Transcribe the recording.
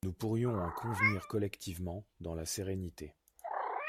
Nous pourrions en convenir collectivement, dans la sérénité.